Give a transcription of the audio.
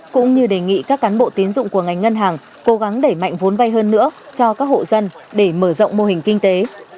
cũng như đề nghị các cán bộ tiến dụng của ngành ngân hàng cố gắng đẩy mạnh vốn vay hơn nữa cho các hộ dân để mở rộng mô hình kinh tế